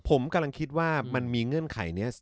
ผมกำลังคิดว่ามันมีเงื่อนไขนี้